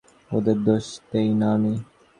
ওদের দোষ দেই না আমি।